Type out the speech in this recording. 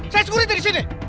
saya segera disini